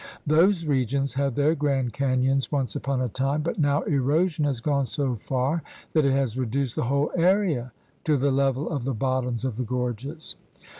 Those regions had their grand canyons once upon a time, but now erosion has gone so far that it has reduced the whole area to the level of the bottoms of the gorges.